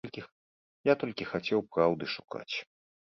Я толькі хацеў праўды шукаць.